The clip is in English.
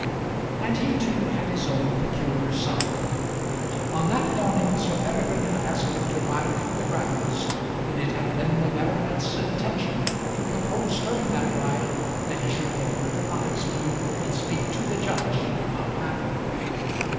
And he too had his own peculiar sorrow. On that morning Sir Peregrine had asked him to ride through the grounds, and it had been the baronet's intention to propose during that ride that he should go over to Noningsby and speak to the judge about Madeline.